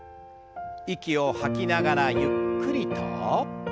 息を吐きながらゆっくりと。